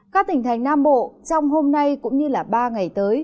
các tỉnh thành nam bộ trong hôm nay cũng như ba ngày tới